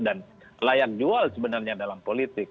dan layak jual sebenarnya dalam politik